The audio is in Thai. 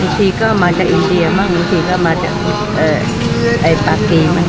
อีกทีก็มาจากอินเดียหรอครับอีกทีก็มาปลากรีกล่ะ